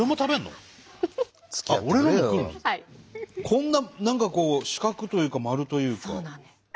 こんな何か四角というか丸というか。